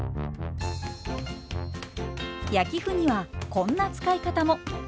焼き麩にはこんな使い方も。